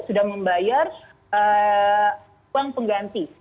sudah membayar uang pengganti